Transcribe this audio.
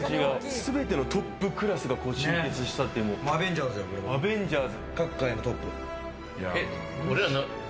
全てのトップクラスが集結したっていう、もうアベンジャーズ。